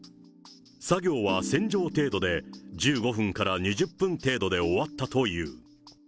作業は洗浄程度で、１５分から２０分程度で終わったという。